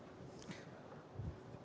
kembali tadi pada tata ruang